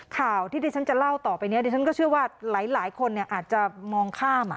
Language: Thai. ข่าวที่ดิฉันจะเล่าต่อไปเนี้ยดิฉันก็เชื่อว่าหลายหลายคนเนี้ยอาจจะมองข้ามอ่ะ